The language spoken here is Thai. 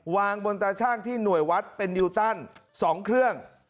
วางบนตาช่างที่หน่วยวัดเป็นดิวตัน๒เครื่อง